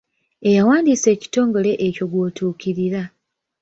Eyawandiisa ekitongole ekyo gw'otuukirira.